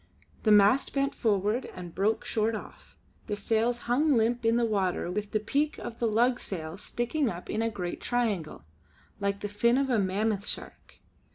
The mast bent forward and broke short off, the sails hung limp in the water with the peak of the lug sail sticking up in a great triangle, like the fin of a mammoth shark.